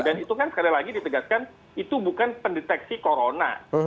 dan itu kan sekali lagi ditegatkan itu bukan pendeteksi corona